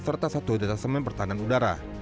serta satu datas semen pertahanan udara